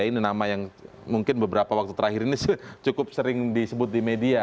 ini nama yang mungkin beberapa waktu terakhir ini cukup sering disebut di media